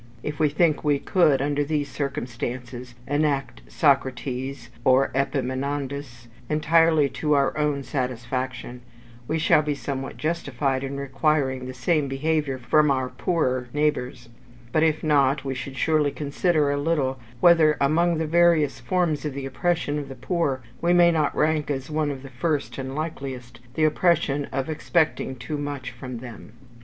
If we think we could, under these circumstances, enact Socrates or Epaminondas entirely to our own satisfaction, we shall be somewhat justified in requiring the same behaviour from our poorer neighbours; but if not, we should surely consider a little whether among the various forms of the oppression of the poor, we may not rank as one of the first and likeliest the oppression of expecting too much from them.